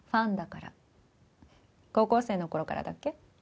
高校生の頃からだっけ？